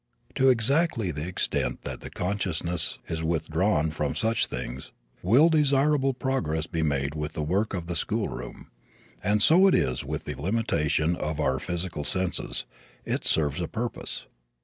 To exactly the extent that the consciousness is withdrawn from such things will desirable progress be made with the work of the school room. And so it is with the limitation of our physical senses. It serves a purpose.